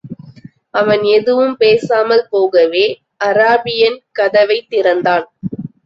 அவன் எதுவும் பேசாமல் போகவே, அராபியன் கதவைத் திறந்தான்.